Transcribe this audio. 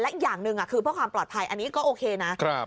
อีกอย่างหนึ่งคือเพื่อความปลอดภัยอันนี้ก็โอเคนะ